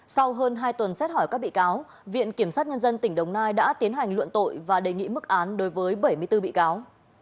sau hơn hai tuần xét hỏi các bị cáo viện kiểm sát nhân dân tỉnh đồng nai đã tiến hành luận tội và đề nghị mức án đối với bảy mươi bốn bị cáo